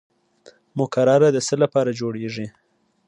مقرره د څه لپاره جوړیږي؟